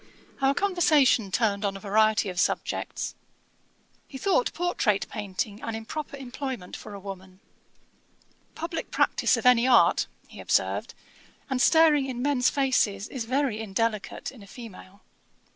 Our conversation turned on a variety of subjects. He thought portrait painting an improper employment for a woman. 'Publick practice of any art, (he observed,) and staring in men's faces, is very indelicate in a female.'